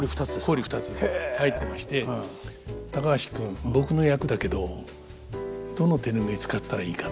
入ってまして「高橋君僕の役だけどどの手拭い使ったらいいかな」